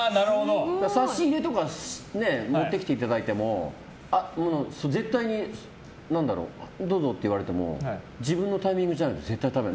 差し入れとか持ってきていただいても絶対に、どうぞって言われても自分のタイミングじゃないと絶対に食べない。